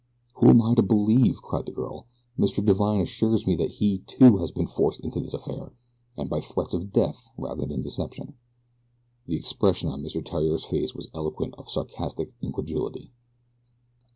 "Who am I to believe?" cried the girl. "Mr. Divine assures me that he, too, has been forced into this affair, but by threats of death rather than deception." The expression on Mr. Theriere's face was eloquent of sarcastic incredulity.